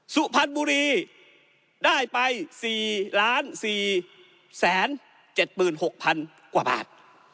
สุพรรณบุรีได้ไปสี่ล้านสี่แสนเจ็ดหมื่นหกพันกว่าบาท